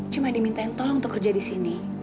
cuma dimintain tolong untuk kerja di sini